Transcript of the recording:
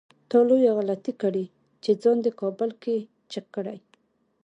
تا لويه غلطي کړې چې ځان دې کابل کې چک کړی.